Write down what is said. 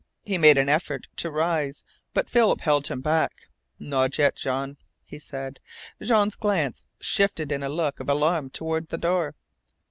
He made an effort to rise, but Philip held him back. "Not yet, Jean," he said. Jean's glance shifted in a look of alarm toward the door.